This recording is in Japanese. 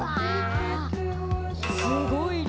すごい量！